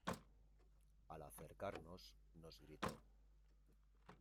al acercarnos nos gritó: